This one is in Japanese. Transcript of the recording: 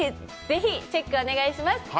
ぜひチェックお願いします。